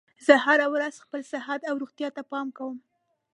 زه هره ورځ خپل صحت او روغتیا ته پام کوم